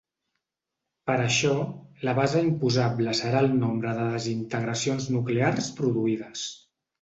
Per això, la base imposable serà el nombre de desintegracions nuclears produïdes.